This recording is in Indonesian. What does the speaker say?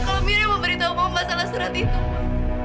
kalau mira yang memberitahu mama masalah surat itu ma